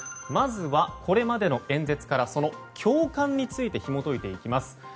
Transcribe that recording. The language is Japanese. まずは、これまでの演説からその共感についてひも解いていきます。